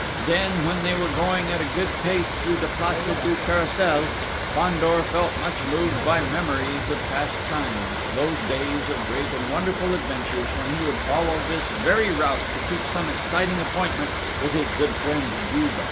Then, when they were going at a good pace through the place du Carrousel, Fandor felt much moved by memories of past times, those days of great and wonderful adventures, when he would follow this very route to keep some exciting appointment with his good friend, Juve.